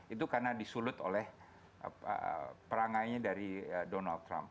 itu karena disulut oleh perangainya dari donald trump